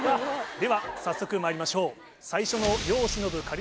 では早速まいりましょう最初の。